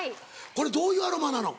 これどういうアロマなの？